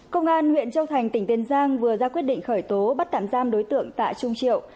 công an huyện châu thành tỉnh tiền giang vừa ra quyết định khởi tố bắt tạm giam đối tượng tạ trung triệu